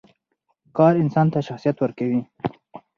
کار انسان ته شخصیت ورکوي.